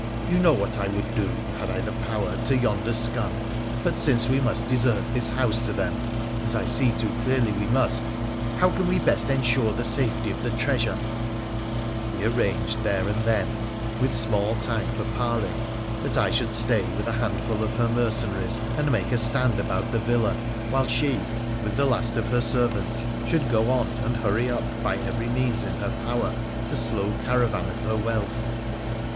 You know what I would do, had I the power, to yonder scum ; but, since we must desert this house to them (as I see too clearly we must), how can we best ensure the safety of the treasure ?' We arranged there and then, with small time for parley, that I should stay with a handful of her mercenaries and make a stand about the villa, while she, with the last of hei servants, should go on and hurry up by every means in her power the slow caravan of her wealth.